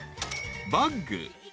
［バッグ。